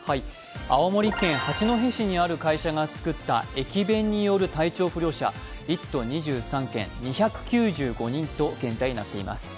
青森県八戸市にある会社が作った駅弁による体調不良者、１都２３県、２９５人と現在なっています。